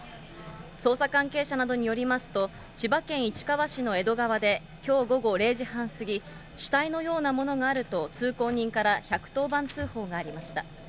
捜査関係者などによりますと、千葉県市川市の江戸川で、きょう午後０時半過ぎ、死体のようなものがあると、通行人から１１０番通報がありました。